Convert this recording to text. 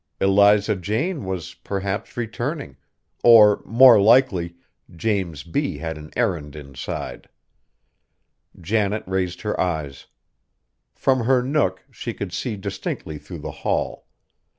Eliza Jane was, perhaps, returning; or more likely James B. had an errand inside. Janet raised her eyes. From her nook she could see distinctly through the hall.